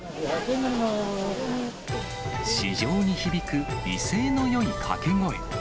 市場に響く威勢のよい掛け声。